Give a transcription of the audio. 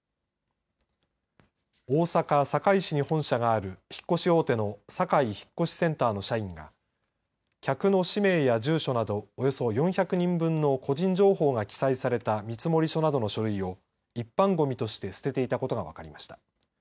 大阪、堺市に本社がある引越大手のサカイ引越センターの社員が客の氏名や住所などおよそ４００人分の個人情報が記載された見積書などの書類を一般ごみとして捨てていたことが分かりました。